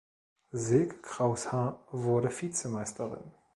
Silke Kraushaar wurde Vizemeisterin.